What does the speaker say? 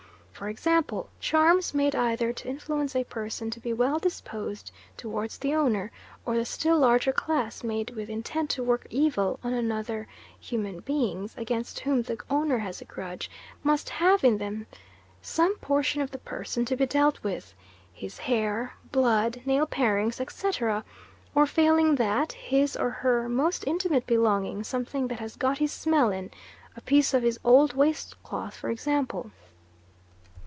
For example, charms made either to influence a person to be well disposed towards the owner, or the still larger class made with intent to work evil on other human beings against whom the owner has a grudge, must have in them some portion of the person to be dealt with his hair, blood, nail parings, etc. or, failing that, his or her most intimate belonging, something that has got his smell in a piece of his old waist cloth for example.